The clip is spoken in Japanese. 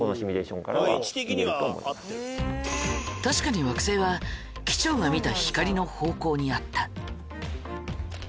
確かに惑星は機長が見た光の方向にあった。